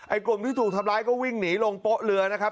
กลุ่มที่ถูกทำร้ายก็วิ่งหนีลงโป๊ะเรือนะครับ